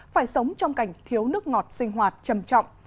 phải sống trong cảnh thiếu nước ngọt sinh hoạt trầm trọng